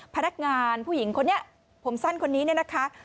พนักงานผู้หญิงคนนี้ผมสั้นคนนี้เนี่ยนะคะ